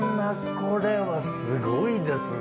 これはすごいですね。